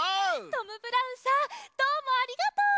トム・ブラウンさんどうもありがとう！